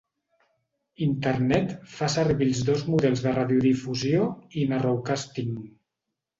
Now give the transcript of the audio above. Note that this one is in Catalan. Internet fa servir els dos models de radiodifusió i "narrowcasting".